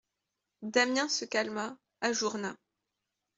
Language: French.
Damiens se calma, ajourna.